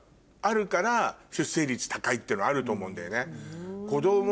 っていうのあると思うんだよね。